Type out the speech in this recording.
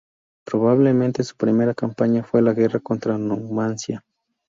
Probablemente su primera campaña fue la guerra contra Numancia.